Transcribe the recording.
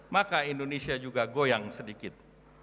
maka indonesia juga goyang sedikit